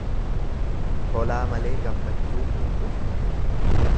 Tolaa malee Gammachuun hin dhufne.